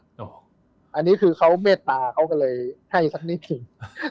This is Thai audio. อันนี้คือเขาเมตตาเขาก็เลยให้สักนิดหนึ่ง